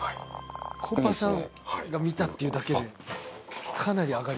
コパさんが見たっていうだけでかなり上がります。